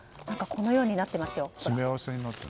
このようになっていますよ。